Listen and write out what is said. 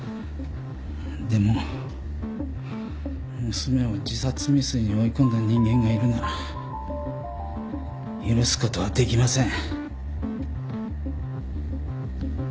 でも娘を自殺未遂に追い込んだ人間がいるなら許すことはできません。